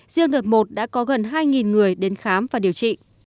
riêng đợt một đã có gần hai người đến khám và điều trị